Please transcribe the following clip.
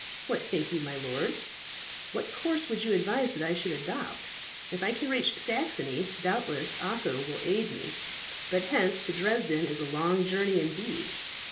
What think you, my lords? What course would you advise that I should adopt? If I can reach Saxony, doubtless Otho will aid me. But hence to Dresden is a long journey indeed.